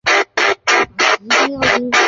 中国科学院院士。